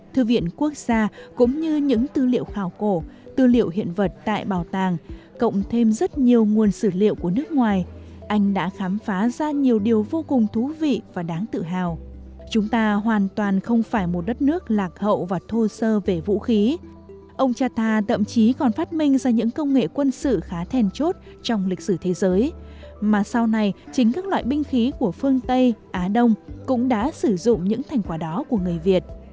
thư viện quốc gia cũng như những tư liệu khảo cổ tư liệu hiện vật tại bảo tàng cộng thêm rất nhiều nguồn sử liệu của nước ngoài anh đã khám phá ra nhiều điều vô cùng thú vị và đáng tự hào chúng ta hoàn toàn không phải một đất nước lạc hậu và thô sơ về vũ khí ông cha ta tậm chí còn phát minh ra những công nghệ quân sự khá thèn chốt trong lịch sử thế giới mà sau này chính các loại binh khí của phương tây á đông cũng đã sử dụng những thành quả đó của người việt nam